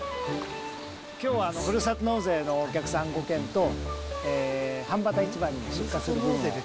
きょうはふるさと納税のお客さん５件と、はんばた市場に出荷する分を。